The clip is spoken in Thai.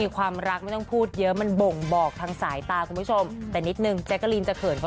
เขาไม่ได้ขอเราเป็นแฟนนะคะ